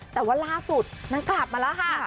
แต่วันล่าสุดนับมาแล้วค่ะ